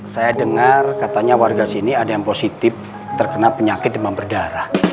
saya dengar katanya warga sini ada yang positif terkena penyakit demam berdarah